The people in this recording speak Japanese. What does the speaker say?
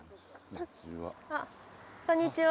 あっこんにちは。